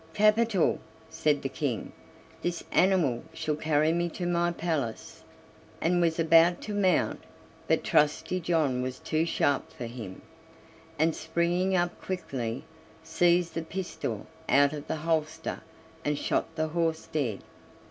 "Capital!" said the King; "this animal shall carry me to my palace," and was about to mount, but Trusty John was too sharp for him, and, springing up quickly, seized the pistol out of the holster and shot the horse dead.